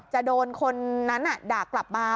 จะโดนคนนั้นด่ากลับมา